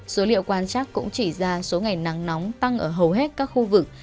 số liệu quan trắc cũng chỉ ra số ngày nắng nóng tăng ở hầu hết các khu vực